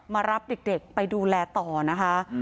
มารับเด็กไปดูแลต่อนะคะ